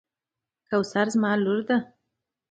کوثر زما لور ده.